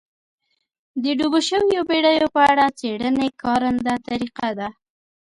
د ډوبو شویو بېړیو په اړه څېړنې کارنده طریقه ده